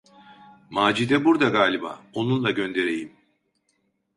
Macide burda galiba; onunla göndereyim!